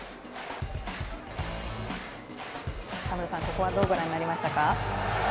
田村さん、ここはどうご覧になりましたか？